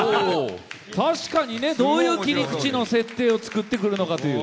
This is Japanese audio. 確かにどういう切り口の設定を作ってくるのか。